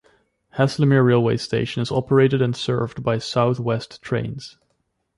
Haslemere railway station is operated and served by South West Trains.